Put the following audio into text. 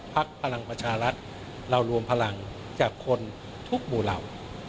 พลังประชารัฐเรารวมพลังจากคนทุกหมู่เหล่า